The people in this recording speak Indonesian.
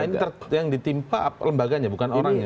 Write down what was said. yang selama ini yang ditimpa lembaganya bukan orangnya